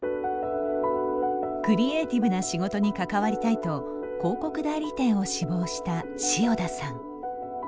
クリエーティブな仕事に関わりたいと広告代理店を志望した塩田さん。